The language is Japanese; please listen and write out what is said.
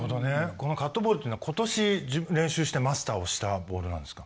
このカットボールっていうのはことし練習してマスターをしたボールなんですか？